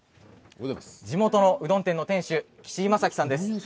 地元のうどん店の店主岸井正樹さんです。